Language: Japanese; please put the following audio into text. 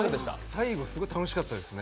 最後、すごい楽しかったですね。